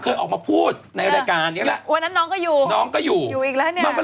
ขออ่านหน่อยที่